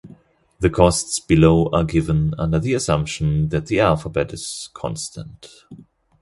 The costs below are given under the assumption that the alphabet is constant.